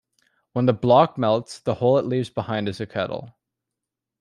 When the block melts, the hole it leaves behind is a kettle.